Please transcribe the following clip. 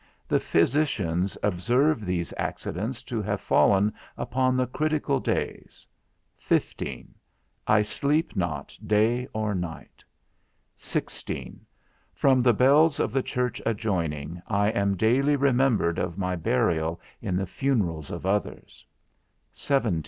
The Physicians observe these accidents to have fallen upon the critical days 88 15. I sleep not day or night 96 16. From the bells of the church adjoining, I am daily remembered of my burial in the funerals of others 102 17.